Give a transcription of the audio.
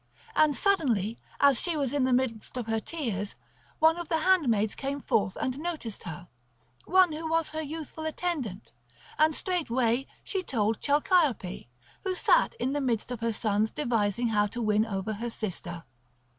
And suddenly as she was in the midst of her tears, one of the handmaids came forth and noticed her, one who was her youthful attendant; and straightway she told Chalciope, who sat in the midst of her sons devising how to win over her sister.